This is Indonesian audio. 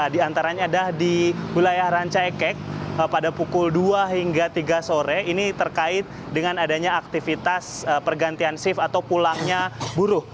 di antaranya ada di wilayah ranca ekek pada pukul dua hingga tiga sore ini terkait dengan adanya aktivitas pergantian shift atau pulangnya buruh